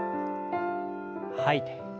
吐いて。